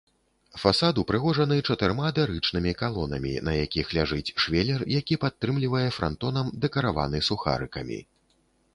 Фасад упрыгожаны чатырма дарычнымі калонамі, на якіх ляжыць швелер, які падтрымлівае франтонам, дэкараваны сухарыкамі.